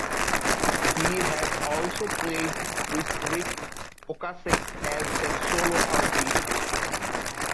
He has also played with Ric Ocasek as a solo artist.